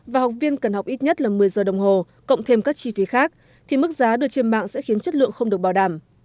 và học viên cần học ít nhất là một mươi giờ đồng hồ cộng thêm các chi phí khác thì mức giá đưa trên mạng sẽ khiến chất lượng không được bảo đảm